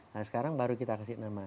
nah sekarang baru kita kasih nama